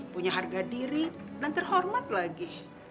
punya harga diri dan terhormat lagi